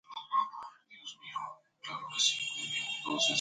necesito verte y hablar contigo. al amanecer.